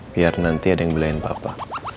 biar nanti ada yang belain papa